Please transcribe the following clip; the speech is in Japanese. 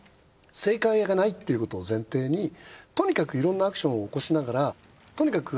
正解がないっていうことを前提にとにかくいろんなアクションを起こしながら。